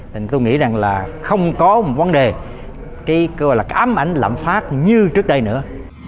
thì tôi nghĩ rằng là không có một vấn đề cái gọi là ám ảnh lạm phát như trước đây nữa